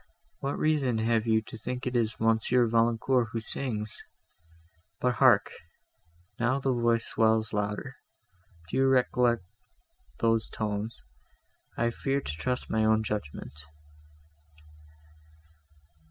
What reason have you to think it is Monsieur Valancourt, who sings? But hark! now the voice swells louder! Do you recollect those tones? I fear to trust my own judgment."